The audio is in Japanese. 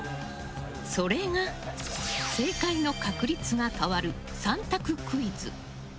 それが、正解の確率が変わる３択クイズ。